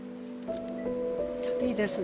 いいですね